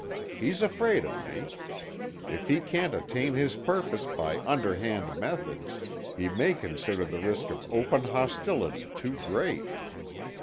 He's afraid of me. If he can't attain his purpose by underhand methods, he may consider the risk of open hostility too great.